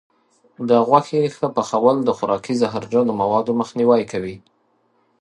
د غوښې ښه پخول د خوراکي زهرجنو موادو مخنیوی کوي.